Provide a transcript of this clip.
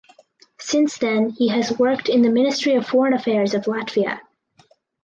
Since then he has worked in the Ministry of Foreign Affairs of Latvia.